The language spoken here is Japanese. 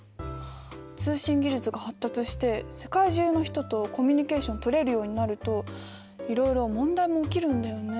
通信技術が発達して世界中の人とコミュニケーションとれるようになるといろいろ問題も起きるんだよね。